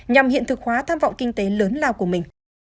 nhằm hiện thực hóa tham vọng kinh tế lớn lao của mình